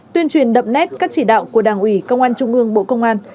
tuyên truyền đậm nét các chỉ đạo của đảng ủy công an trung ương bộ công an